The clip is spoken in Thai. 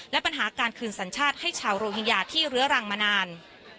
และปัญหาการคืนสัญชาติให้ชาวโรฮิงญาที่เรื้อรังมานาน